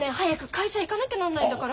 会社行かなきゃなんないんだから。